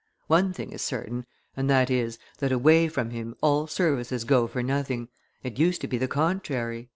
One thing is certain, and that is, that away from him all services go for nothing; it used to be the contrary."